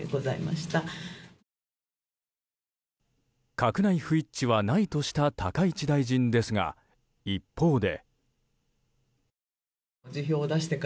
閣内不一致はないとした高市大臣ですが、一方で。